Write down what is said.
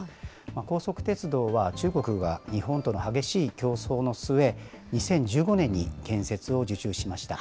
高速鉄道は中国が日本との激しい競争の末、２０１５年に建設を受注しました。